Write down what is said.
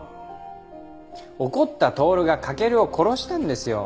怒った透が駆を殺したんですよ。